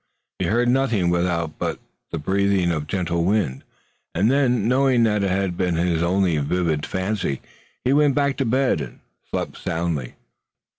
He heard nothing without but the breathing of the gentle wind, and then, knowing that it had been only his vivid fancy, he went back to bed and slept soundly.